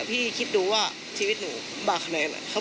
พี่คิดดูว่าชีวิตหนูขนาดไหนแล้วครับ